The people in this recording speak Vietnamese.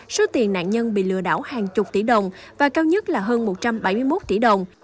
số tiền nạn nhân bị lừa đảo hàng chục tỷ đồng và cao nhất là hơn một trăm bảy mươi một tỷ đồng